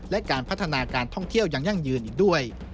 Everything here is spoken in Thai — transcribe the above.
และการพัฒนาการท่องเที่ยวยังยั่งยืนอีกด้วย